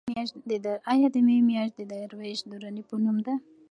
ایا د مې میاشت د درویش دراني په نوم ده؟